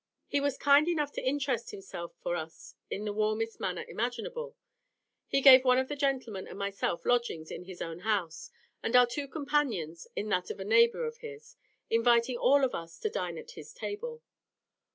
He was kind enough to interest himself for us in the warmest manner imaginable. He gave one of the gentlemen and myself lodgings in his own house, and our two companions in that of a neighbour of his, inviting all of us to dine at his table.